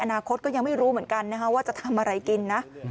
อนาคตก็ยังไม่รู้เหมือนกันว่าจะทำอะไรกินนะ